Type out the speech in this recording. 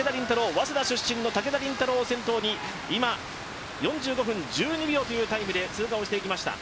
早稲田出身の武田凜太郎を先頭に今、４５分１２秒というタイムで通過をしていきました。